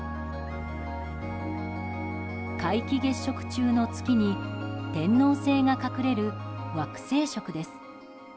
皆既月食中の月に天王星が隠れる、惑星食です。